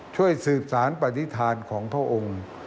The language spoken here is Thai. ช่วยสืบสารปฏิฐานของพระองค์